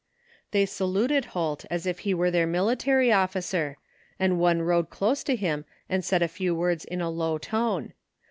They saluted Holt as if he were their military officer, and one rode close to him and said a few words in a low tone.